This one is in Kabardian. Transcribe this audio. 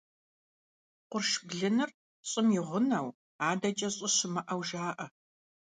Къурш блыныр – щӀым и гъунэу, адэкӀэ щӀы щымыӀэу жаӀэ.